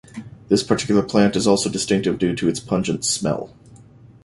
This particular plant is also distinctive due to its pungent smell.